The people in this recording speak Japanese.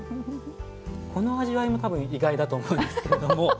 この味わいも多分意外だと思うんですけれども。